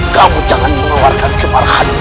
kamu jangan mengeluarkan kemarahan